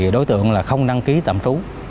đối tượng là không đăng ký tạm trú